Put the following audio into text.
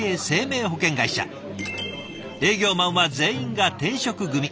営業マンは全員が転職組。